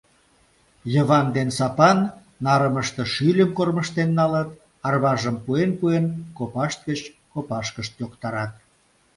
Йыван ден Сапан нарымыште шӱльым кормыжтен налыт, арважым пуэн-пуэн, копашт гыч копашкышт йоктарат.